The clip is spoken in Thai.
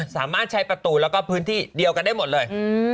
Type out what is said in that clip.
สามารถใช้ประตูแล้วก็พื้นที่เดียวกันได้หมดเลย